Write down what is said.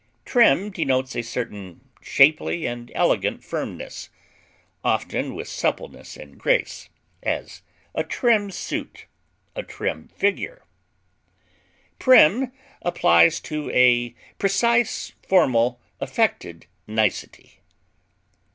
Trim denotes a certain shapely and elegant firmness, often with suppleness and grace; as, a trim suit; a trim figure. Prim applies to a precise, formal, affected nicety.